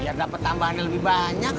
ya dapat tambahannya lebih banyak